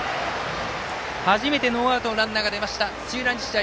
初めてノーアウトランナーが出ました、土浦日大。